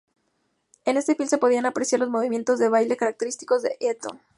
En el film se podían apreciar los movimientos de baile característicos de Eaton.